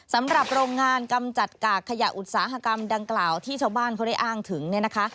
สำหรับโรงงานกำจัดกากขยะอุตสาหกรรมดังกล่าวที่ชาวบ้านเขาได้อ้างถึงเนี่ยนะคะ